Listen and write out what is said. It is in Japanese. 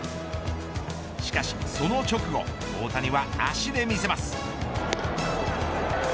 しかし、その直後大谷は、足で見せます。